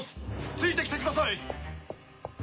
ついてきてください！